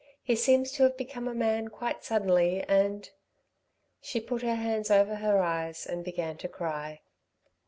He seems to have become a man quite suddenly, and " She put her hands over her eyes and began to cry.